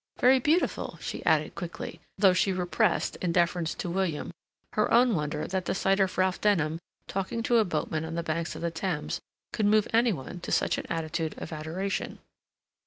Very beautiful," she added quickly, though she repressed, in deference to William, her own wonder that the sight of Ralph Denham talking to a boatman on the banks of the Thames could move any one to such an attitude of adoration.